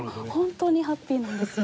本当にハッピーなんですよ。